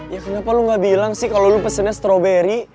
ya kenapa lo gak bilang sih kalo lo pesennya strawberry